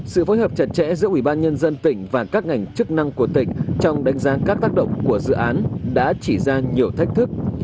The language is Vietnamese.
sự phối hợp chặt chẽ giữa ủy ban nhân dân tỉnh và các ngành chức năng của tỉnh trong đánh giá các tác động của dự án đã chỉ ra nhiều thách thức